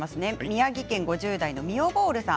宮城県５０代の方です。